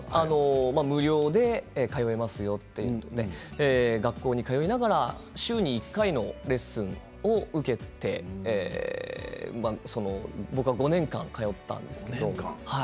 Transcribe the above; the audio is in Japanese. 無料で通えますよっていうことで学校に通いながら週に１回のレッスンを受けて僕は５年間通ったんですけど。